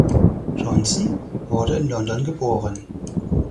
Johnson wurde in London geboren.